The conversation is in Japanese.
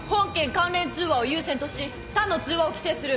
関連通話を優先とし他の通話を規制する。